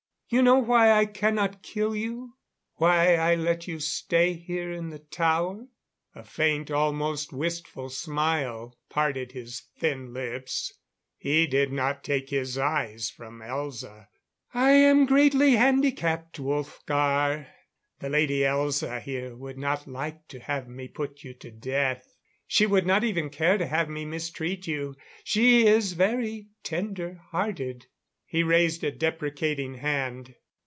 You know why I cannot kill you? Why I let you stay here in the tower?" A faint, almost wistful smile parted his thin lips; he did not take his eyes from Elza. "I am greatly handicapped, Wolfgar. The Lady Elza here would not like to have me put you to death. She would not even care to have me mistreat you. She is very tender hearted." He raised a deprecating hand.